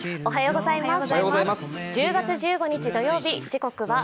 おはようございます。